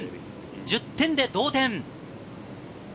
１０点で同点。